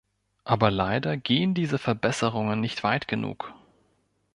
Aber leider gehen diese Verbesserungen nicht weit genug.